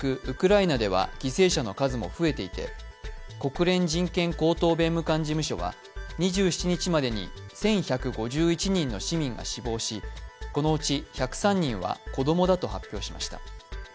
ウクライナでは犠牲者の数も増えていて、国連人権高等弁務官事務所は２７日までに１１５１人の市民が死亡し、このうち１０３人は子供だと発表しました。